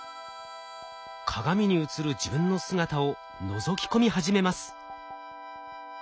鏡に映る自分の姿をのぞき込み始めます。